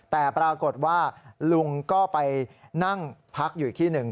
แต่ปรากฏว่าลุงก็ไปนั่งพักอยู่อีกที่หนึ่ง